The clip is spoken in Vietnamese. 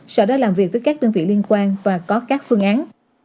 sở đã làm việc với các đơn vị liên quan và có các phương án